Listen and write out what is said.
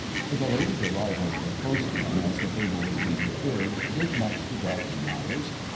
The belated arrival of the postman as the table was being cleared did much to brighten matters.